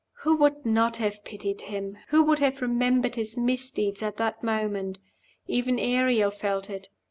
Who would not have pitied him? Who would have remembered his misdeeds at that moment? Even Ariel felt it.